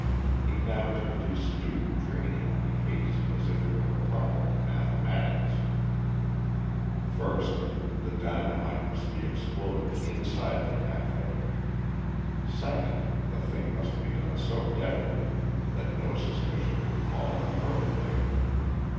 He now turned his student training on the case as if it were a problem in mathematics. First, the dynamite must be exploded inside the café. Second, the thing must be done so deftly that no suspicion could fall on the perpetrator.